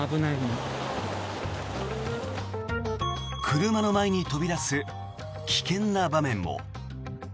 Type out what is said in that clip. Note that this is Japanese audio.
車の前に飛び出す危険な場面も。